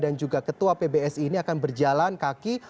dan juga ketua pbsi ini akan berjalan kaki